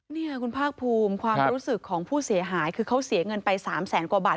นี่คุณภาคภูมิความรู้สึกของผู้เสียหายคือเขาเสียเงินไป๓แสนกว่าบาท